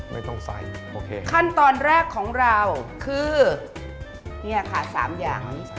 ไม่ต้องใส่คันตอนแรกของเราคือนี่ค่ะ๓อย่าง